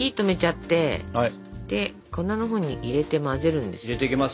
で粉のほうに入れて混ぜるんです。